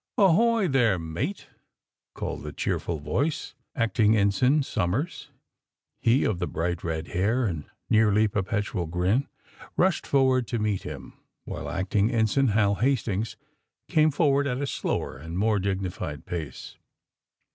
*'Ahoy, there, mate!" called a cheerful voice. Acting Ensign Somers, he of the bright red hair and nearly perpetual grin, rushed forward to meet him, while Acting Ensign Hal Hastings came forward at a slower and more dignified pace.